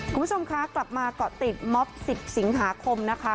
คุณผู้ชมคะกลับมาเกาะติดม็อบ๑๐สิงหาคมนะคะ